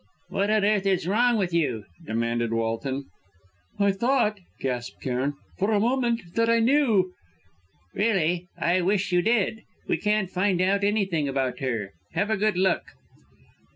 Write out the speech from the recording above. "What on earth is wrong with you?" demanded Walton. "I thought," gasped Cairn, "for a moment, that I knew " "Really! I wish you did! We can't find out anything about her. Have a good look."